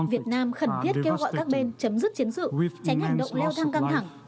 việt nam khẩn thiết kêu gọi các bên chấm dứt chiến sự tránh hành động leo thang căng thẳng